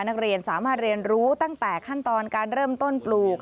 นักเรียนสามารถเรียนรู้ตั้งแต่ขั้นตอนการเริ่มต้นปลูก